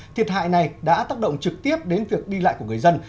thiệt hại này đã tác động trực tiếp đến việc đi lại của người dân